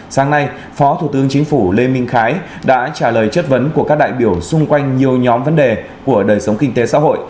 sáng nay phó thủ tướng chính phủ lê minh khái đã trả lời chất vấn của các đại biểu xung quanh nhiều nhóm vấn đề của đời sống kinh tế xã hội